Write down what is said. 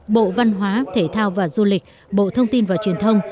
bộ văn hóa thể thao và du lịch bộ thông tin và truyền thông